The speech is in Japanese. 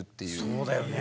そうだよね。